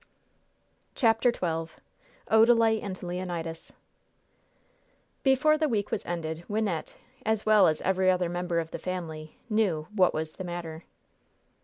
CHAPTER XII ODALITE AND LEONIDAS Before the week was ended Wynnette, as well as every other member of the family, knew "what was the matter."